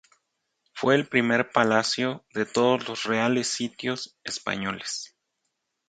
Fue el primer palacio de todos los Reales Sitios españoles.